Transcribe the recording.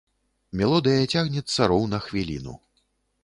Мелодыя цягнецца роўна хвіліну.